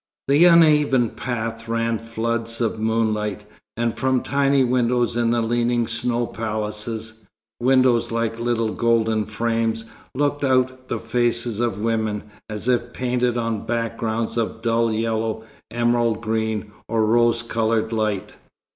The uneven path ran floods of moonlight; and from tiny windows in the leaning snow palaces windows like little golden frames looked out the faces of women, as if painted on backgrounds of dull yellow, emerald green, or rose coloured light.